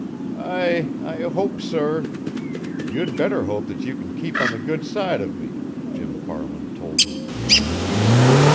"I I hope, sir " "You'd better hope that you can keep on the good side of me," Jim Farland told him.